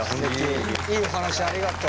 いいお話ありがとう。